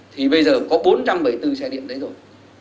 thì bây giờ có bốn trăm bảy mươi bốn xe điện đấy rồi